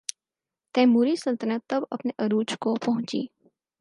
تیموری سلطنت تب اپنے عروج کو پہنچی۔